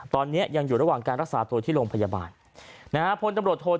ตอนนี้ยังอยู่ระหว่างการรักษาตัวที่โรงพยาบาล